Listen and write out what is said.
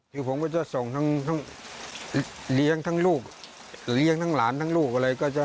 คือผมก็จะส่งทั้งเลี้ยงทั้งลูกเลี้ยงทั้งหลานทั้งลูกอะไรก็จะ